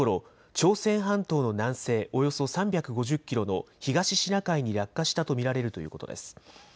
朝鮮半島の南西およそ３５０キロの東シナ海に落下したと見られるということです。